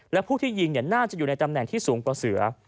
และผู้ที่ยิงน่าจะอยู่ในตำแหน่งที่สูงกว่าเสือ